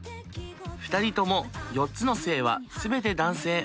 ２人とも４つの性は全て男性。